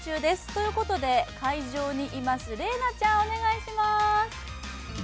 ということで会場にいます麗菜ちゃん、お願いします。